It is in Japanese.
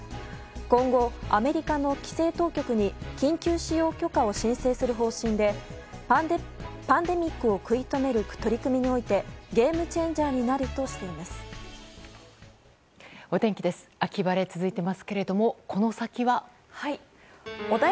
今後、アメリカの規制当局に緊急使用許可を申請する方針でパンデミックを食い止める取り組みにおいてゲームチェンジャーになるとしています。